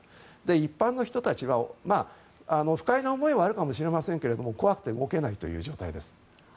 一般の人たちは不快な思いはあるかもしれませんが怖くて動けない状態です。